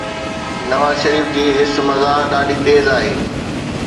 نواز شريف جي حس مزاح ڏاڍي تيز آهي.